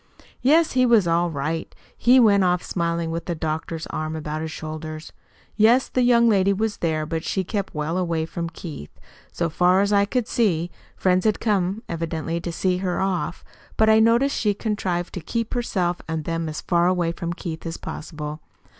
"Yes, he was all right. He went off smiling, with the doctor's arm about his shoulders. Yes, the young lady was there, but she kept well away from Keith, so far as I could see. Friends had come evidently to see her off, but I noticed she contrived to keep herself and them as far away from Keith as possible.